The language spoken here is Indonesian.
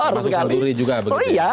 masuk senturi juga begitu ya